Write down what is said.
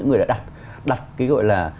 người đã đặt cái gọi là